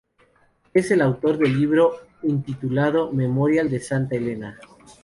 Él es el autor del libro intitulado "Memorial de Santa Elena".